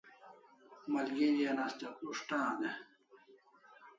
Malgeri an asta prus't an e?